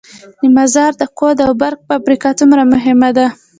د مزار د کود او برق فابریکه څومره مهمه ده؟